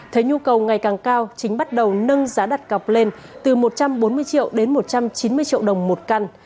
thấy nhu cầu ngày càng cao chính bắt đầu nâng giá đặt cọc lên từ một trăm bốn mươi triệu đến một trăm chín mươi triệu đồng một căn